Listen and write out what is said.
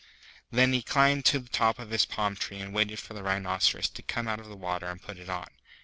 Then he climbed to the top of his palm tree and waited for the Rhinoceros to come out of the water and put it on.